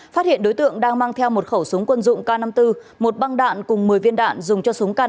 phát hiện đối tượng đang mang theo một khẩu súng quân dụng k năm mươi bốn một băng đạn cùng một mươi viên đạn dùng cho súng k